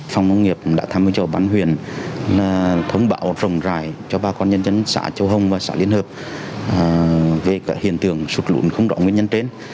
phòng nông nghiệp đã tham gia chỗ bán huyền thông báo rồng rải cho ba con nhân dân xã châu hồng và xã liên hợp về cả hiện tượng sụt lún không rõ nguyên nhân trên